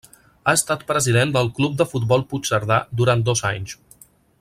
Ha estat president del Club de Futbol Puigcerdà durant dos anys.